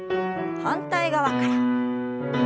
反対側から。